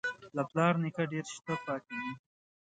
له پلار نیکه ډېر شته پاتې دي.